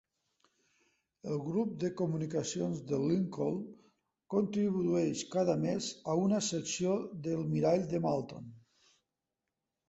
El Grup de comunicacions de Lincoln contribueix cada mes a una secció de "El mirall de Malton".